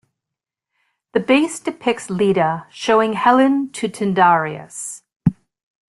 The base depicts Leda showing Helen to Tyndareus.